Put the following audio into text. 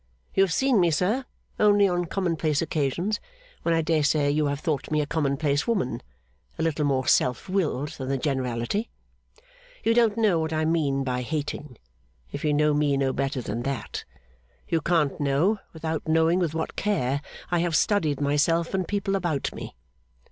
You have seen me, sir, only on common place occasions, when I dare say you have thought me a common place woman, a little more self willed than the generality. You don't know what I mean by hating, if you know me no better than that; you can't know, without knowing with what care I have studied myself and people about me.